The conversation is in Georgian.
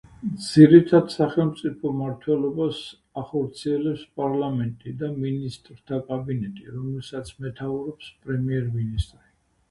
ძირითად სახელმწიფო მმართველობას ახორციელებს პარლამენტი და მინისტრთა კაბინეტი, რომელსაც მეთაურობს პრემიერ-მინისტრი.